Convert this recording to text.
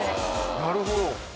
なるほど。